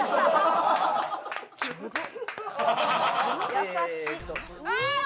優しい！